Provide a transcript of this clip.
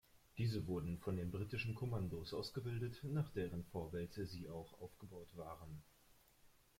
Diese wurden von den britischen Commandos ausgebildet, nach deren Vorbild sie auch aufgebaut waren.